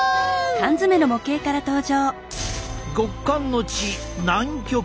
極寒の地南極！